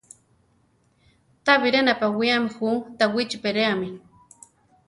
Ta biré napawiáme jú Tawichi peréami.